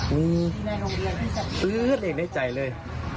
มีซื้อเลยในใจเลย